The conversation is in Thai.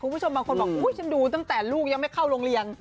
คุณผู้ชมบางคนบอกอุ๊ยฉันดูตั้งแต่ลูกยังไม่เข้าโรงเรียน